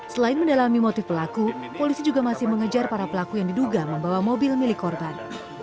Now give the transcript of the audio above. selain mendalami motif pelaku polisi juga masih mengejar para pelaku yang diduga membawa mobil milik korban